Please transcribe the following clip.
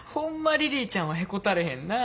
リリーちゃんはへこたれへんな。